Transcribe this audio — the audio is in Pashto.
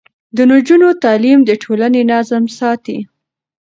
د نجونو تعليم د ټولنې نظم ساتي.